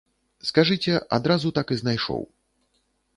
Скажыце, адразу так і знайшоў.